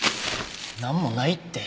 なんもないって。